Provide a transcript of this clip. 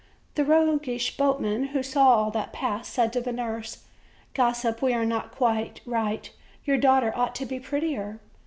The roguish boatman, who saw all that passed, said to the nurse: "Gossip, we are not quite right; your daugh ter ought to be prettier."